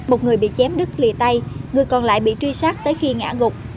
một người bị chém đứt lì tay người còn lại bị truy sát tới khi ngã gục